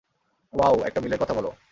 Wow, একটা মিলের কথা বলো।